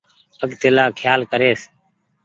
آگتيلآ کيال ڪريس۔